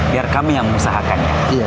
biar kami yang mengusahakannya